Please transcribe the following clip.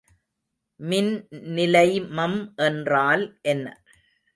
மின்நிலைமம் என்றால் என்ன?